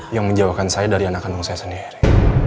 yang menjauhkan saya dari anak kandung saya sendiri